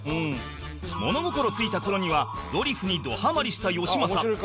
物心ついた頃にはドリフにどハマりしたよしまさ